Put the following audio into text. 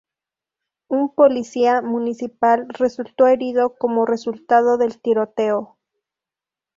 Un policía municipal resulto herido como resultado del tiroteo.